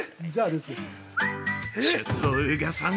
◆ちょっと宇賀さん